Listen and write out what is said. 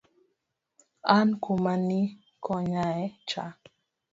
An kuma ni konyae cha